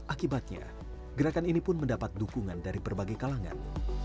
akibatnya gerakan ini pun mendapat dukungan dari berbagai kalangan